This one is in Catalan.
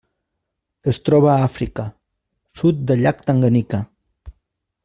Es troba a Àfrica: sud del llac Tanganyika.